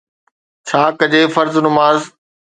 ڇا ڪجي فرض نماز